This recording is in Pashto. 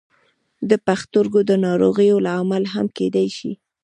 د پښتورګو د ناروغیو لامل هم کیدای شي.